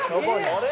あれ？